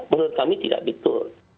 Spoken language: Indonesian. menurut kami tidak betul